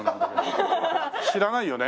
知らないよね？